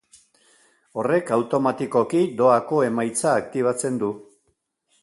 Horrek, automatikoki, doako emaitza aktibatzen du.